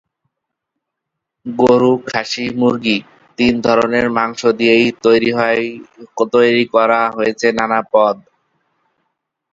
গরু, খাসি, মুরগি—তিন ধরনের মাংস দিয়েই তৈরি করা হয়েছে নানা পদ।